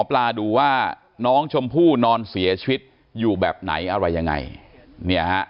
ปลาดูว่าน้องชมพู่นอนเสียชีวิตอยู่แบบไหนอะไรยังไงเนี่ยฮะ